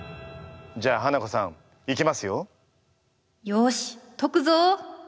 じゃあハナコさんいきますよ。